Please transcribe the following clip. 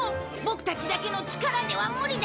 ボクたちだけの力では無理だ。